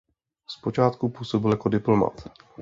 Zpočátku působil jako diplomat.